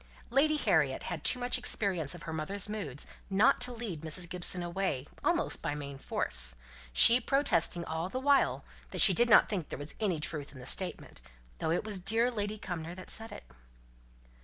Lady Harriet had too much experience of her mother's moods not to lead Mrs. Gibson away almost by main force, she protesting all the while that she did not think there was any truth in the statement, though it was dear Lady Cumnor that said it.